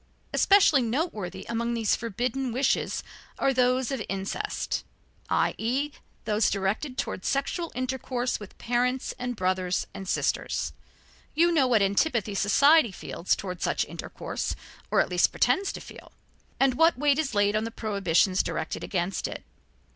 Especially noteworthy among these forbidden wishes are those of incest, i.e., those directed towards sexual intercourse with parents and brothers and sisters. You know what antipathy society feels toward such intercourse, or at least pretends to feel, and what weight is laid on the prohibitions directed against it.